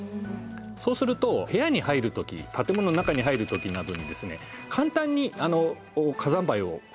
そうすると部屋に入る時建物の中に入る時などにですね簡単に火山灰を払い落とすことができる。